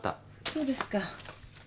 そうですか。